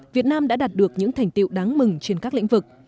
việt nam đã đạt được những thành tiệu đáng mừng trên các lĩnh vực